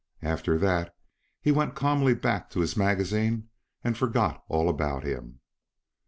After that he went calmly back to his magazine and forgot all about him.